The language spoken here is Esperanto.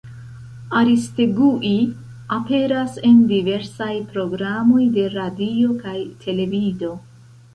Aristegui aperas en diversaj programoj de radio kaj televido.